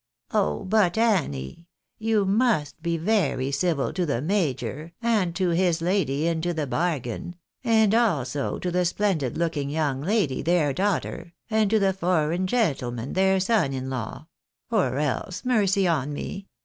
" Oh ! but, Annie, you must be very civil to the major, and to his lady into the bargain, and also to the splendid looMng young lady, their daughter, and to the foreign gentleman, their son in law ; or else, mercy on me